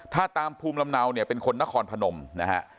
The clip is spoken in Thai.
ถ้าตามภูมิลำเนาเนี่ยเป็นคนนครพนมนะฮะ